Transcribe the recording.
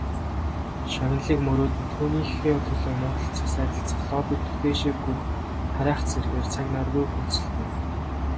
Шагналыг мөрөөднө, түүнийхээ төлөө муудалцах, сайдалцах, лоббидох, дээшээ гүйх харайх зэргээр цаг наргүй хөөцөлдөнө.